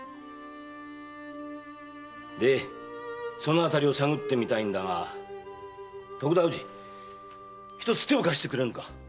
でそのあたりを探ってみたいんだが徳田氏ひとつ手を貸してくれぬか。